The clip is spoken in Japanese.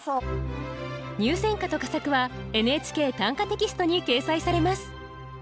入選歌と佳作は「ＮＨＫ短歌」テキストに掲載されます。